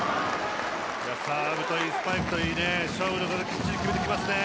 サーブといい、スパイクといい勝負どころできっちり決めてきますね。